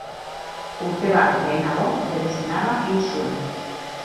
Urte bat lehenago bere senarra hil zuen.